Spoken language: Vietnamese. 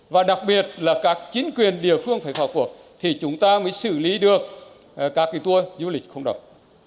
và đặc biệt là các chính quyền địa phương phải khắc phục thì chúng ta mới xử lý được các cái tuôn du lịch không đồng